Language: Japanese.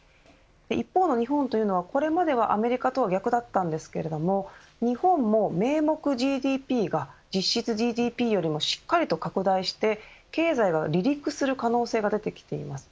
一方の日本というのはこれまではアメリカとは逆だったんですが日本も名目ＧＤＰが実質ＧＤＰよりもしっかりと拡大して経済が離陸する可能性が出てきています。